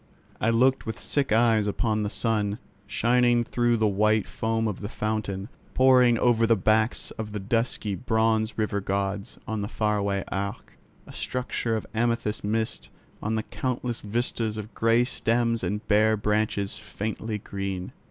I looked with sick eyes upon the sun, shining through the white foam of the fountain, pouring over the backs of the dusky bronze river gods, on the far away Arc, a structure of amethyst mist, on the countless vistas of grey stems and bare branches faintly green.